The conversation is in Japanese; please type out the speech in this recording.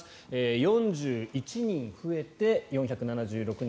４１人増えて４７６人。